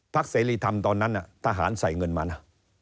เสรีธรรมตอนนั้นทหารใส่เงินมานะ